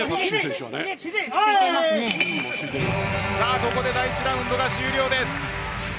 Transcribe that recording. ここで第１ラウンドが終了です。